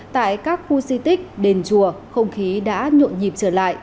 tại các khu di tích đền chùa không khí đã nhộn nhịp trở lại